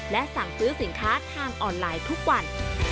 และสั่งซื้อสินค้าทางออนไลน์ทุกวัน